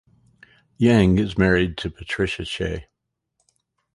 Yang is married to Patricia Che.